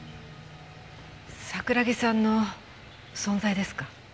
桜木さんの存在ですか？